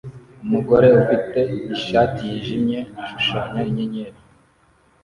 Umugore ufite ishati yijimye ashushanya inyenyeri